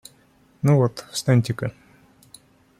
Ну вот встаньте-ка.